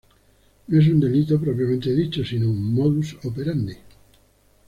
No es un delito propiamente dicho, sino un "modus operandi".